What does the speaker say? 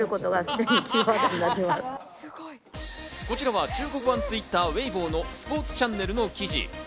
こちらは中国版Ｔｗｉｔｔｅｒ、ウェイボーのスポーツチャンネルの記事。